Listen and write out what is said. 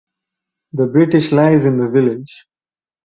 The British lies in the village.